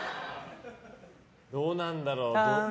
どうなんだろう？